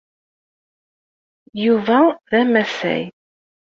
Yuba d amasay.